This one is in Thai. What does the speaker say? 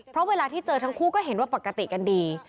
เพราะเวลาที่เจอทั้งคู่ก็เห็นว่าปกติกันดี